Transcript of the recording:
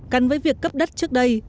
cắn với việc cấp đất trước đây